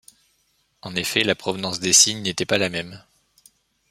En effet, la provenance des signes n'était pas la même.